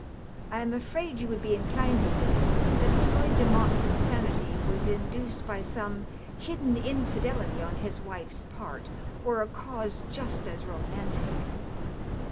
^* I am afraid you would be inclined to think that Floyd Demotte's insanity was in duced by some hidden infidelity on his wife's part, or a cause just as romantic."